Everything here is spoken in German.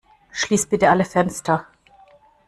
Schließ bitte alle Fenster!